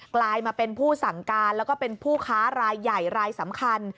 กลายมาเป็นผู้สั่งการแล้วก็เป็นผู้ค้ารายใหญ่รายสำคัญ